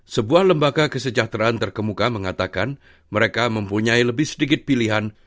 sebuah lembaga kesejahteraan terkemuka mengatakan mereka mempunyai lebih sedikit pilihan